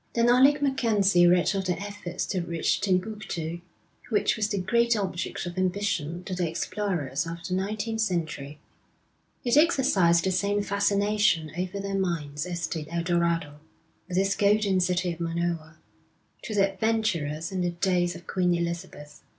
Then Alec MacKenzie read of the efforts to reach Timbuktu, which was the great object of ambition to the explorers of the nineteenth century. It exercised the same fascination over their minds as did El Dorado, with its golden city of Monoa, to the adventurers in the days of Queen Elizabeth.